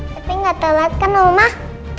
tapi gak telat kan rumah